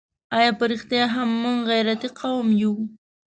آیا په رښتیا هم موږ غیرتي قوم یو؟